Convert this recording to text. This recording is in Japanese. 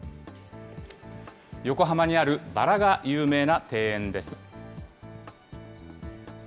横浜にあるバラが有名な庭園です。